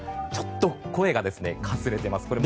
ちょっと声がかすれています。